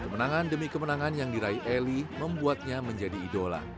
kemenangan demi kemenangan yang diraih eli membuatnya menjadi idola